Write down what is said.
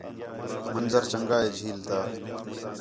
منظر چَنڳا ہے جھیل تا